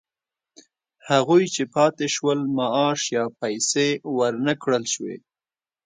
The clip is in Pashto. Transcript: هغوی چې پاتې شول معاش یا پیسې ورنه کړل شوې